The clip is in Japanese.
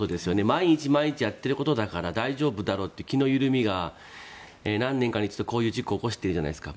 毎日毎日やっていることだから大丈夫だろうという気の緩みが何年間に一度こういう事故を起こしているじゃないですか。